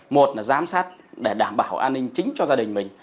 một là giám sát để đảm bảo an ninh chính cho gia đình mình